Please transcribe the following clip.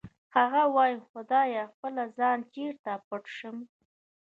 هغه وایی خدایه له خپله ځانه چېرې پټ شم